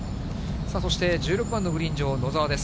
さあ、そして１６番のグリーン上、野澤です。